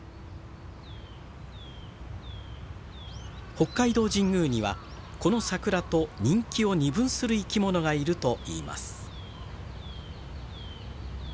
北海道神宮にはこの桜と人気を二分する生き物がいるといいます。